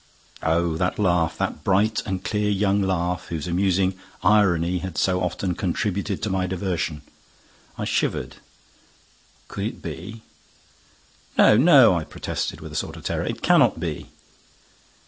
Oh, that laugh! That bright and clear young laugh, whose amusing irony had so often contributed to my diversion! I shivered. Could it be? "No, no," I protested, with a sort of terror. "It cannot be."